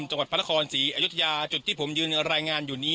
จังหวัดพระนครศรีอยุธยาจุดที่ผมยืนรายงานอยู่นี้